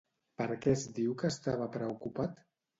Per què es diu que estava preocupat?